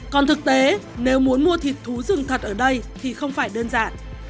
còn thực tế nếu muốn mua thịt thú rừng thật ở đây thì không phải đơn giản